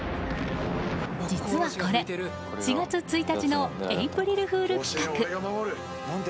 実はこれ、４月１日のエイプリルフール企画。